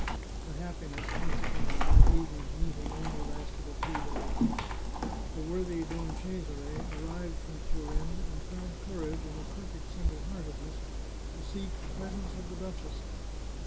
The happiness consequent on that evening's meeting only lasted a few days. The worthy Don Cesare arrived from Turin, and found courage, in his perfect single heartedness, to seek the pres ence of the duchess.